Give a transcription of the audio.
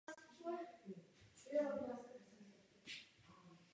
K této mariánské soše byly pořádány na mariánské svátky poutě.